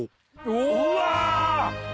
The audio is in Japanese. うわ！